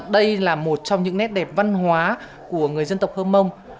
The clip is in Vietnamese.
đây là một trong những nét đẹp văn hóa của người dân tộc hơ mông